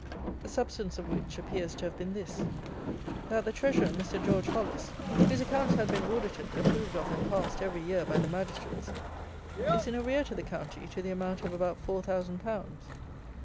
The substance of which appears to have been this; that the Treasurer, Mr. George Hollis, whose accounts had been audited, approved of, and passed every year by the Magistrates, is in arrear to the county to the amount of about four thousand pounds.